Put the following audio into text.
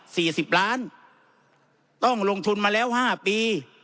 สิบล้านต้องลงทุนมาแล้วห้าปี